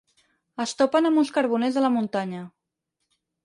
Es topen amb uns carboners a la muntanya.